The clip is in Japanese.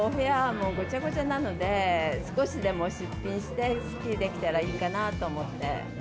もうごちゃごちゃなので、少しでも出品して、すっきりできたらいいかなと思って。